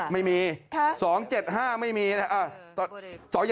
ไม่มี๒๗๕ไม่มีนะ